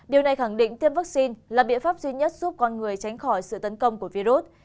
điều này khẳng định tiêm vaccine là biện pháp duy nhất giúp con người tránh khỏi sự tấn công của virus